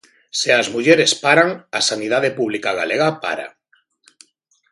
Se as mulleres paran, a sanidade pública galega para.